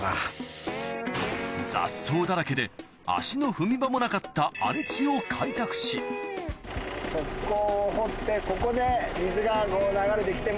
雑草だらけで足の踏み場もなかった荒れ地を開拓しそこで。